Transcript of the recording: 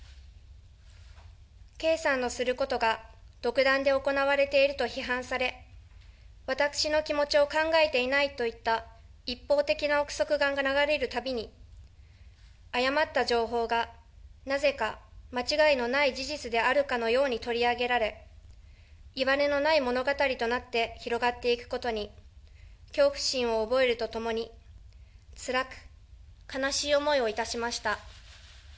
圭さんのすることが、独断で行われていると批判され、私の気持ちを考えていないといった一方的な憶測が流れるたびに誤った情報が、なぜか間違いのない事実であるかのように取り上げられ、いわれのない物語となって、広がっていくことに、恐怖心を覚えるとともに、つらく、悲しい思いをいたしました。